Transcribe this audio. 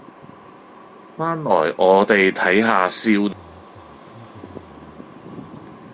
翻來我哋睇下少女藏屍嘅內幕